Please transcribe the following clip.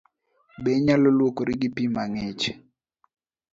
Be inyalo luokori gi pii mang'ich?